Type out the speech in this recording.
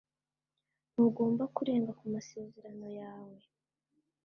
Ntugomba kurenga ku masezerano yawe